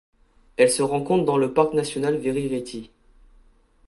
Elle se rencontre dans le parc national Verireti.